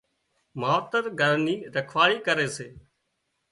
ماوتر گھر نِي رکواۯي ڪري سي